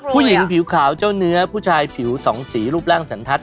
ผิวขาวเจ้าเนื้อผู้ชายผิวสองสีรูปร่างสันทัศน